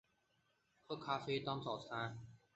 喝咖啡当早餐